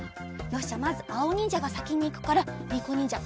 よしじゃあまずあおにんじゃがさきにいくからりいこにんじゃ